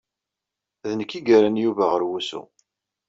D nekk ay yerran Yuba ɣer wusu.